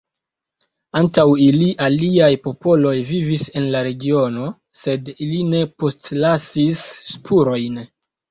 Antaŭ ili, aliaj popoloj vivis en la regiono, sed ili ne postlasis spurojn.